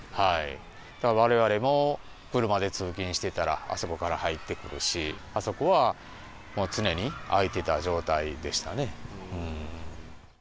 だから、われわれも車で通勤してたらあそこから入ってくるし、あそこは常に開いてた状態でしたね。